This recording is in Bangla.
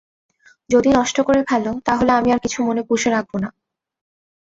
যদি নষ্ট করে ফেল তা হলে আমি আর কিছু মনে পুষে রাখব না।